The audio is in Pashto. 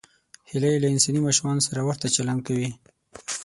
هیلۍ له انساني ماشومانو سره ورته چلند کوي